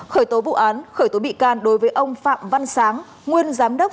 khởi tố vụ án khởi tố bị can đối với ông phạm văn sáng nguyên giám đốc